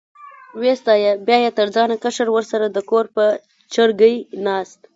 وې ستایه، بیا یې تر ځانه کشر ورسره د کور په چرګۍ ناست.